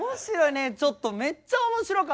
ねえちょっとめっちゃ面白かったです。